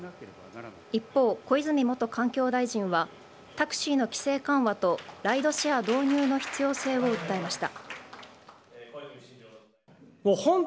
一方、小泉元環境大臣はタクシーの規制緩和とライドシェア導入の必要性を訴えました。